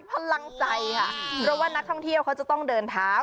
พลังใจค่ะเพราะว่านักท่องเที่ยวเขาจะต้องเดินเท้า